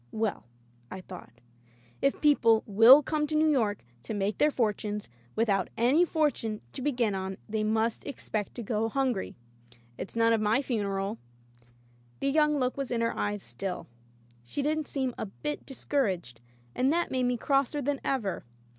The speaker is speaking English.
"Well," I thought, "if people will come to New York to make their fortunes, without any fortune to begin on, Digitized by LjOOQ IC jB. Holbrookes Patience they must expect to go hungry. It's none of my funeral/' The young look was in her eyes stilL She didn't seem a bit discouraged. And that made me crosser than ever.